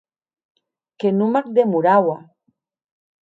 Que non m’ac demoraua!